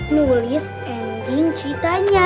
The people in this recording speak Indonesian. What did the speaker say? nulis ending ceritanya